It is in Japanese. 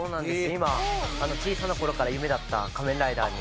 今小さな頃から夢だった『仮面ライダー』に。